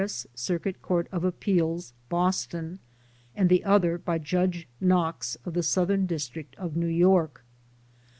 S. 96 THE DEPORTATION CASES Circuit Court of Appeals, Boston, and the other by Judge Knox of the Southern District of New York.